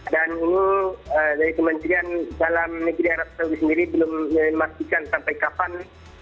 ini dari kementerian dalam negeri arab saudi sendiri belum memastikan sampai kapan